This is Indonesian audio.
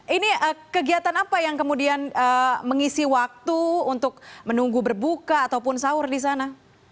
ini kegiatan apa yang kemudian mengisi waktu untuk menunggu berbuka ataupun sahur di sana